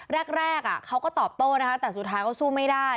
แรกเขาก็ตอบโต้นะคะแต่สุดท้ายเขาสู้ไม่ได้